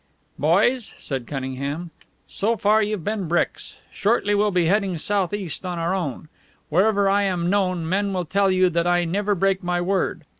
"Boys," said Cunningham, "so far you've been bricks. Shortly we'll be heading southeast on our own. Wherever I am known, men will tell you that I never break my word.